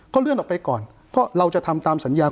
เลื่อนออกไปก่อนเพราะเราจะทำตามสัญญา